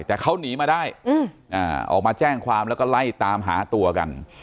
แต่เขาหนีมาได้ออกมาแจ้งความแล้วก็ไล่ตามหาตัวกัน